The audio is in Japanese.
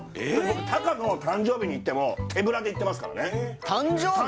僕タカの誕生日に行っても手ぶらで行ってますからね誕生日に！？